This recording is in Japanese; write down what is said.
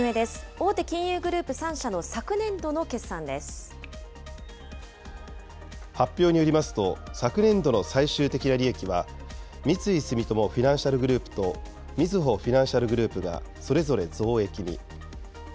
大手金融グループ３社の昨年度の発表によりますと、昨年度の最終的な利益は、三井住友フィナンシャルグループと、みずほフィナンシャルグループがそれぞれ増益に。